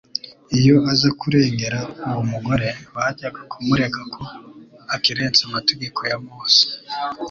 Iyo aza kurengera uwo mugore, bajyaga kumurega ko akerensa amategeko ya Mose.